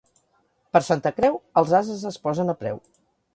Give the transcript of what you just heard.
Per Santa Creu els ases es posen a preu.